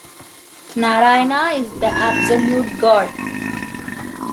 Narayana is the Absolute God.